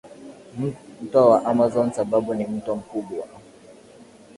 Mto wa Amazon Sababu ni mto mkubwa